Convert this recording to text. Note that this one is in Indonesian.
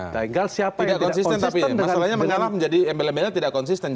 tinggal tidak konsisten tapi masalahnya mengalah menjadi embel embelnya tidak konsisten